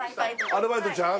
アルバイトちゃん？